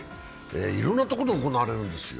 いろんなところで行われるんですよ。